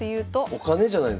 お金じゃないですか？